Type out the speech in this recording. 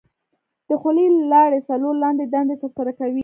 د خولې لاړې څلور لاندې دندې تر سره کوي.